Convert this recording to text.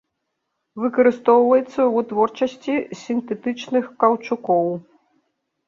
Выкарыстоўваецца ў вытворчасці сінтэтычных каўчукоў.